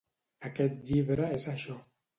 Aquest llibre és això.